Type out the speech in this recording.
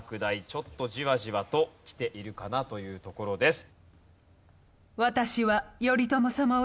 ちょっとジワジワときているかなというところです。